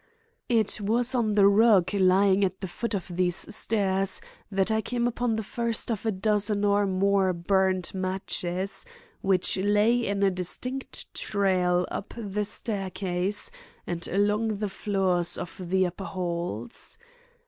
It was on the rug lying at the foot of these stairs that I came upon the first of a dozen or more burned matches which lay in a distinct trail up the staircase and along the floors of the upper halls.